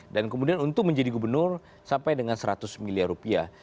dan kemudian untuk menjadi gubernur sampai dengan seratus miliar rupiah